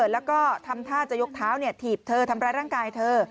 แล้วก็ทำท่าจะยกเท้าถีบเธอทำร้ายร่างกายเธอ